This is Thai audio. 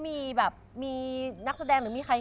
มีนักแสดง